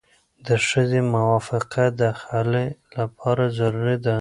د ښځې موافقه د خلع لپاره ضروري ده.